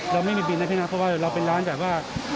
เราไม่มีบินนะพี่นะเพราะว่าเราเป็นร้านแบบว่า